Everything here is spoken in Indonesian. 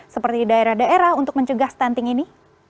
seperti di daerah daerah untuk mencegah stunting ini